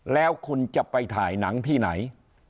แล้วคุณจะไปถ่ายหนังที่ไหน